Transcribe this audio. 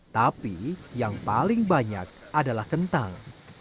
tapi yang paling banyak adalah kentang